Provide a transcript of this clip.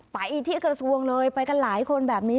ไปที่กระทรวงเลยไปกันหลายคนแบบนี้